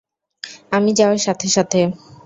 আমি যাওয়ার সাথে সাথে!